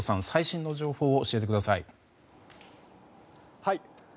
最新の情報を教えてください。